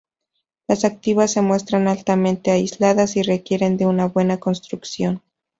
Las activas se muestran altamente aisladas y requieren de una buena construcción.